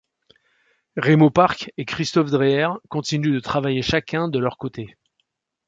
Remo Park et Christoph Dreher continuent de travailler chacun de leur côté.